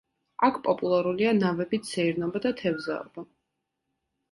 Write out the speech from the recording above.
აქ პოპულარულია ნავებით სეირნობა და თევზაობა.